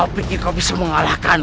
pikir kau bisa mengalahkan